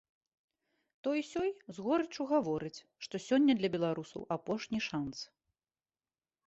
Той-сёй з горыччу гаворыць, што сёння для беларусаў апошні шанц.